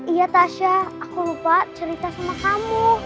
iya tasya aku lupa cerita sama kamu